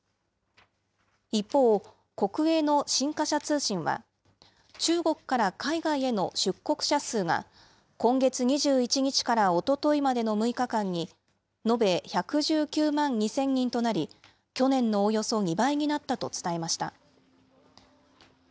一方、国営の新華社通信は、中国から海外への出国者数が、今月２１日からおとといまでの６日間に、延べ１１９万２０００人となり、去年のおよそ２倍になったと伝えました。